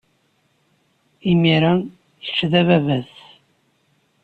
Imir-a, kečč d ababat.